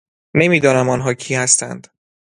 نمیدانم آنها کی هستند.